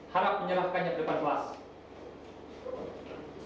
harap menyerahkannya ke depan kelas